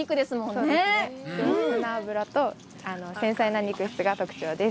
上質な脂と繊細な肉質が特徴です。